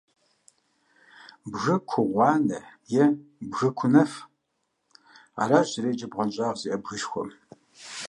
«Бгы кугъуанэ» е «бгы кунэф». Аращ зэреджэр бгъуэнщIагъ зиIэ бгышхуэхэм.